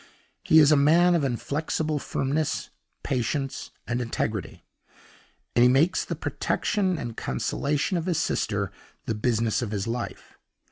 He is a man of inflexible firmness, patience, and integrity, and he makes the protection and consolation of his sister the business of his life.